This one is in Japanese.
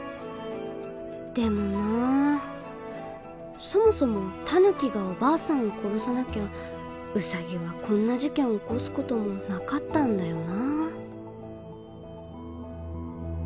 でもなそもそもタヌキがおばあさんを殺さなきゃウサギはこんな事件を起こす事もなかったんだよな。